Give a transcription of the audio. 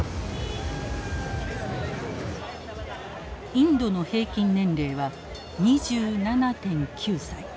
インドの平均年齢は２７．９歳。